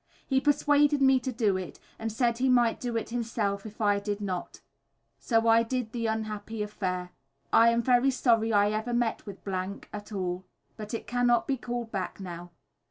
He persuaded me to do it, and said he might do it himself if I did not; so I done the unhappy affair. I am very sorry I ever met with at all, but it cannot be called back now.